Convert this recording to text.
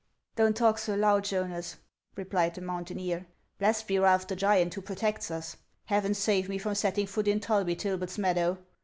" Don't talk so loud, Jonas," replied the mountaineer ;" blessed be Ralph the Giant, wTho protects us ! Heaven save me from setting foot in Tulbytilbet's meadow